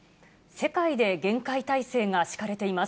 世界で厳戒態勢が敷かれています。